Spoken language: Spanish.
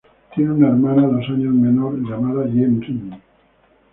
Tiene una hermana dos años menor llamada Hye-rim.